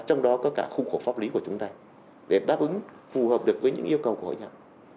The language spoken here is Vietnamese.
trong đó có cả khung khổ pháp lý của chúng ta để đáp ứng phù hợp được với những yêu cầu của hội nhập